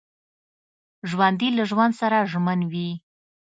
ژوندي له ژوند سره ژمن وي